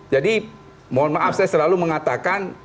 jadi mohon maaf saya selalu mengatakan